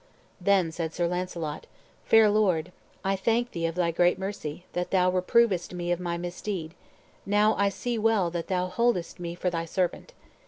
Then said Sir Launcelot, "Fair Lord, I thank thee of thy great mercy, that thou reprovest me of my misdeed; now see I well that thou holdest me for thy servant."